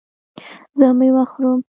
زه میوه خورم